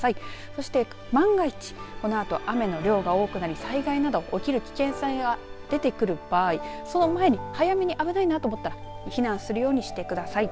そして万が一このあと雨の量が多くなり災害など起きる危険性が出てくる場合そうなる前に早めに危ないなと思ったら避難するようにしてください。